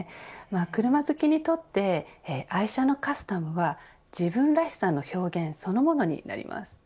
車好きにとって愛車のカスタムは自分らしさの表現そのものになります。